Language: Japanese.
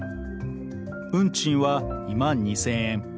運賃は２万２０００円。